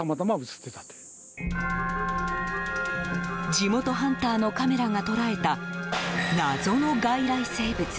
地元ハンターのカメラが捉えた謎の外来生物。